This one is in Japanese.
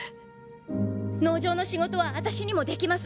農場の仕事は私にもできます。